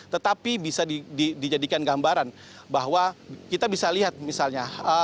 tetapi bisa dijadikan gambaran bahwa kita bisa lihat misalnya